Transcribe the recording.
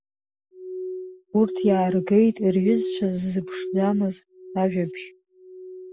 Урҭ иааргеит рҩызцәа ззыԥшӡамыз ажәабжь.